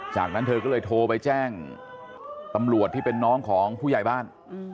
จากนั้นเธอก็เลยโทรไปแจ้งตำรวจที่เป็นน้องของผู้ใหญ่บ้าน